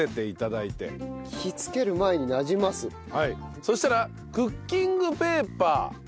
そしたらクッキングペーパーありますか？